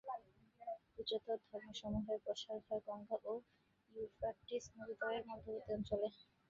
উচ্চতর ধর্মসমূ্হের প্রসার হয় গঙ্গা ও ইউফ্রাটিস নদীদ্বয়ের মধ্যবর্তী অঞ্চলে।